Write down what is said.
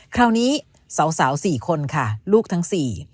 คราวนี้สาว๔คนค่ะลูกทั้งสี่